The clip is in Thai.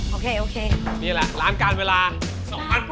โอเคนี่แหละร้านการเวลา๒๘๐๐บาท